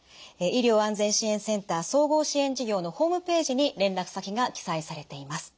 医療安全支援センター総合支援事業のホームページに連絡先が記載されています。